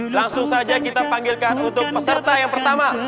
langsung saja kita panggilkan untuk peserta yang pertama